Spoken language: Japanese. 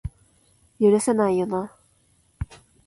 許せないよな